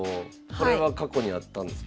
これは過去にあったんですか？